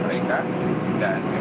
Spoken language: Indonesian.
berhubungan dengan kota madinah